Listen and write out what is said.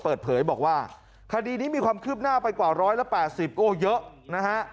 เปิดเผยบอกว่าคดีนี้มีความคืบหน้าไปกว่า๑๘๐โอ้เยอะนะฮะ